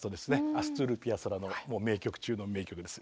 アストル・ピアソラのもう名曲中の名曲です。